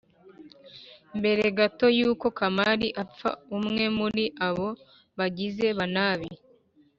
Mbere gato yuko kamari apfa umwe muri abo bagizi banabi